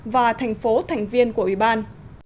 và thành phố thành viên của ủy ban